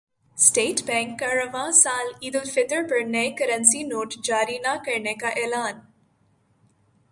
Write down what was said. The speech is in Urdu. اسٹیٹ بینک کا رواں سال عیدالفطر پر نئے کرنسی نوٹ جاری نہ کرنے کا اعلان